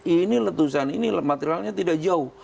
ini letusan ini materialnya tidak jauh